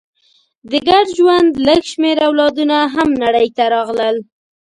د ګډ ژوند لږ شمېر اولادونه هم نړۍ ته راغلل.